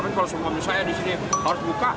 mohon maaf saya di sini harus buka